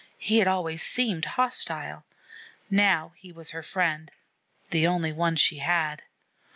He had always seemed hostile. Now he was her friend, the only one she had.